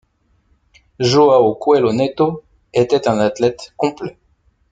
João Coelho Neto était un athlète complet.